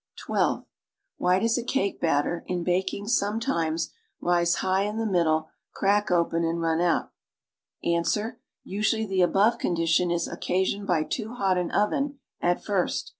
(12) Why does a cake batter in baking sometitaes ri.se high in the middle, crack open and run out."' Ans. Usually the above condition is occasioned by too hot an oven at first.